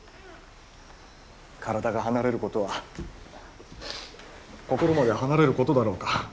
体が離れることは心まで離れることだろうか。